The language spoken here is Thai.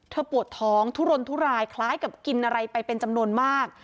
ปวดท้องทุรนทุรายคล้ายกับกินอะไรไปเป็นจำนวนมาก